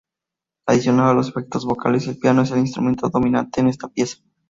Adicional a los efectos vocales, el piano es el instrumento dominante en esta pieza.